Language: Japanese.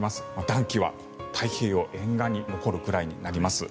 暖気は太平洋沿岸に残るくらいになります。